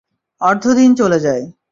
অর্ধ দিন চলে যায়।